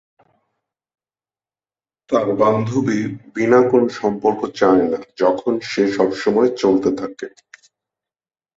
তার বান্ধবী বিনা কোন সম্পর্ক চায় না যখন সে সবসময় চলতে থাকে।